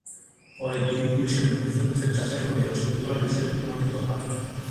পরে দুই পুলিশের মুঠোফোনসেট যাচাই করে ছবি তোলার বিষয়টি প্রমাণিত হয়।